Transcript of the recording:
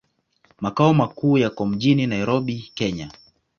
Makao makuu yako mjini Nairobi, Kenya.